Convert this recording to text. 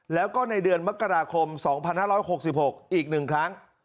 แล้วก็ในเดือนมกราคม๒๕๖๖อีก๑ครั้ง